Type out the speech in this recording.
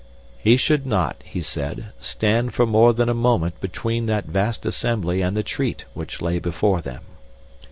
'He would not,' he said, 'stand for more than a moment between that vast assembly and the treat which lay before them.